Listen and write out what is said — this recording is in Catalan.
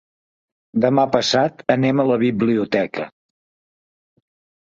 Demà passat anem a la biblioteca.